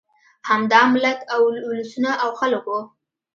همدا ملت، اولسونه او خلک وو.